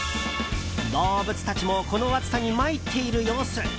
動物たちもこの暑さに参っている様子。